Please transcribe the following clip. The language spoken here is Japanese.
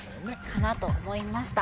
かなと思いました。